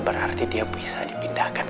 berarti dia bisa dipindahkan